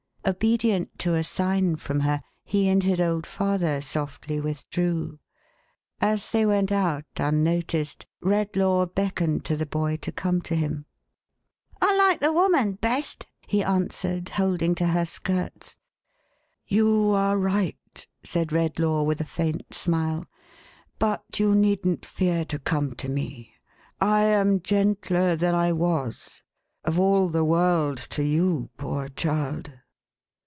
Obedient to a sign from her, he and his old father softly withdrew. As they went out, unnoticed, Redlaw beckoned to the boy to come to him. "I like the woman best,11 he answered, holding to her skirts. " You are right," said Redlaw, with a faint smile. " But you needn't fear to come to me. I am gentler than I was. Of all the world, to you, poor child